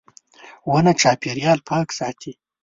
• ونه چاپېریال پاک ساتي.